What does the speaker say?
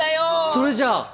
それじゃあ。